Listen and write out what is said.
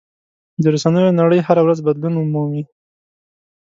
د رسنیو نړۍ هره ورځ بدلون مومي.